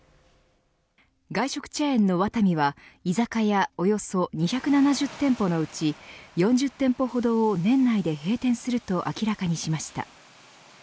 外食チェーンのワタミは居酒屋およそ２７０店舗のうち４０店舗ほどを年内で閉店すると明らかにしました。